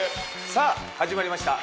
さあ始まりました。